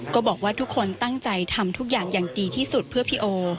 ก็บอกว่าทุกคนตั้งใจทำทุกอย่างอย่างดีที่สุดเพื่อพี่โอ